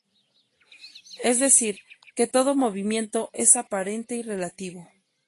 Es decir que todo movimiento es aparente y relativo.